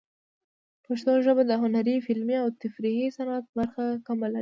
پښتو ژبه د هنري، فلمي، او تفریحي صنعت برخه کمه لري.